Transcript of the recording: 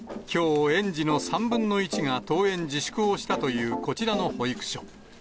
きょう、園児の３分の１が登園自粛をしたという、こちらの保育所。